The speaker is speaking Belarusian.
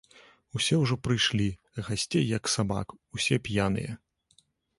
Усе ўжо прыйшлі, гасцей, як сабак, усе п'яныя.